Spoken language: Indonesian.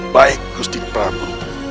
baik gusti prabu